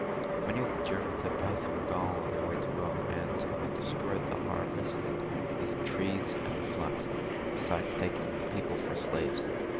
Many of the Germans had passed through Gaul on their way to Eome, and had destroyed the harvests, the trees, and the flocks, besides taking the people for slaves.